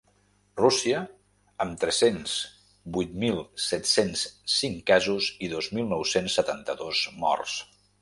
Rússia, amb tres-cents vuit mil set-cents cinc casos i dos mil nou-cents setanta-dos morts.